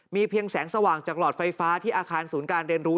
เพียงแสงสว่างจากหลอดไฟฟ้าที่อาคารศูนย์การเรียนรู้